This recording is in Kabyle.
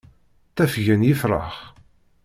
Ttafgen yefṛax.